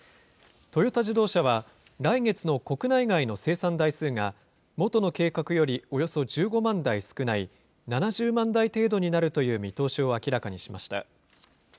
トヨタ自動車は、来月の国内外の生産台数が、元の計画よりおよそ１５万台少ない７０万台程度になるという見通しを明らかにしました。